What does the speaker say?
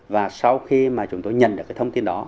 và sau khi mà chúng tôi nhận được cái thông tin đó